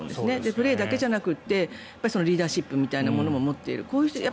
プレーだけじゃなくてリーダーシップみたいなものも持っている。